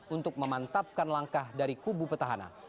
untuk memantapkan langkah dari kubu petahana